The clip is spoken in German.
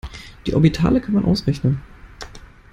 Die Orbitale kann man ausrechnen.